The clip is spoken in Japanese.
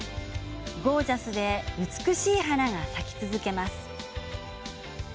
ゴージャスで美しい花が咲き続けます。